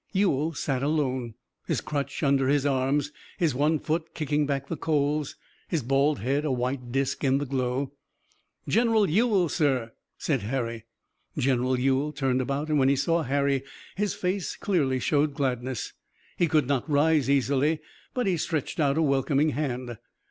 Ewell sat alone, his crutch under his arms, his one foot kicking back the coals, his bald head a white disc in the glow. "General Ewell, sir," said Harry. General Ewell turned about and when he saw Harry his face clearly showed gladness. He could not rise easily, but he stretched out a welcoming hand.